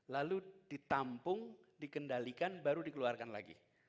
lalu ditampung dikendalikan baru dikeluarkan lagi